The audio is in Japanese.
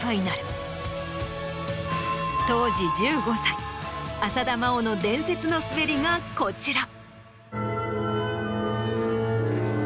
当時１５歳浅田真央の伝説の滑りがこちら。